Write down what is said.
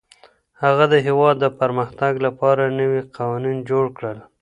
هغه د هېواد د پرمختګ لپاره نوي قوانین جوړ کړل.